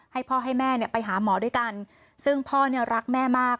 ให้พ่อให้แม่เนี่ยไปหาหมอด้วยกันซึ่งพ่อเนี่ยรักแม่มาก